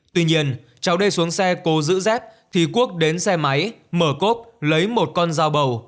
tuy nhiên cháu d xuống xe cố giữ dép thì quốc đến xe máy mở cốt lấy một con dao bầu